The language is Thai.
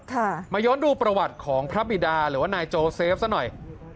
มาย้อนดูประวัติของพระบิดาหรือว่านายโจเซฟซะหน่อย